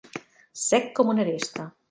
Sec com una aresta.